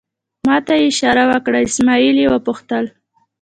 ما ته یې اشاره وکړه، اسمعیل یې وپوښتل.